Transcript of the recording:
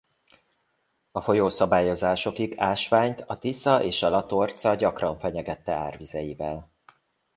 A folyószabályozásokig Ásványt a Tisza és a Latorca gyakran fenyegette árvizeivel.